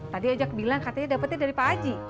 tadi ajak bilang katanya dapetnya dari pak aji